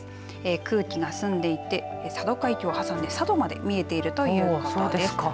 空気が澄んでいて佐渡海峡を挟んで佐渡まで見えているということです。